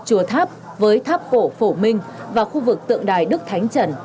chùa tháp với tháp cổ phổ minh và khu vực tượng đài đức thánh trần